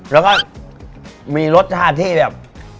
แล้วก็มีรสชาติที่แบบ